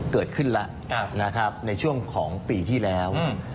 เกิดขึ้นแล้วนะครับในช่วงของปีที่แล้ว